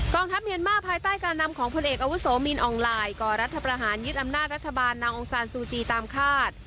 ทัพเมียนมาร์ภายใต้การนำของพลเอกอาวุโสมินอองไลน์ก่อรัฐประหารยึดอำนาจรัฐบาลนางองซานซูจีตามคาด